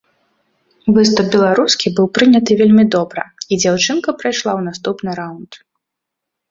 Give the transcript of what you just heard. Выступ беларускі быў прыняты вельмі добра, і дзяўчынка прайшла ў наступны раўнд.